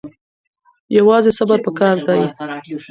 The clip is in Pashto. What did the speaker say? یوازې صبر پکار دی.